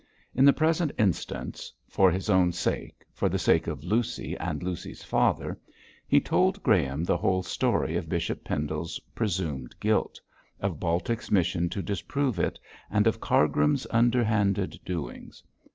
In the present instance for his own sake, for the sake of Lucy and Lucy's father he told Graham the whole story of Bishop Pendle's presumed guilt; of Baltic's mission to disprove it; and of Cargrim's underhanded doings.